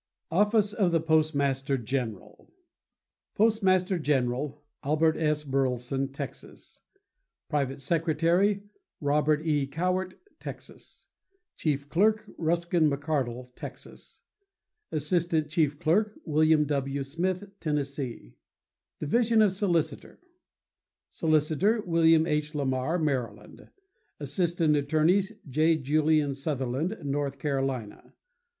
OFFICE OF THE POSTMASTER GENERAL Postmaster General.—Albert S. Burleson, Texas. Private Secretary.—Robert E. Cowart, Texas. Chief Clerk.—Ruskin McArdle, Texas. Assistant Chief Clerk.—William W. Smith, Tennessee. Division of Solicitor.— Solicitor.—William H. Lamar, Maryland. Assistant Attorneys.—J. Julien Southerland, North Carolina.